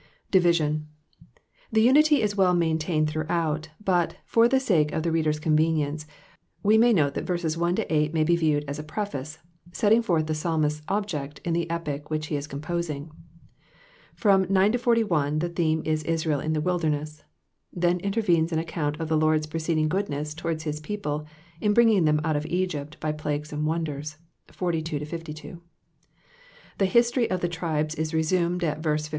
Division.— 77t« unity is wett maintained throughout, bfut for the sake of the reader's con venience, we may mtte that verses 1—8 may be viewed as a preface, setting fortl^ the psabnisfs object in the epic wfuch he is composing. From 9 — 41 the theme is Israel in the wilderness ; iheji intervenes an account of the Lord's preceding goodness toioardi his people in bringing thetn Old of Etjypt by plagues and wonders, 42 — 52. Tlie /Ustory of the tribes is resumed at verse 53.